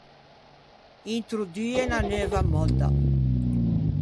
Introdue unna neuva mòdda.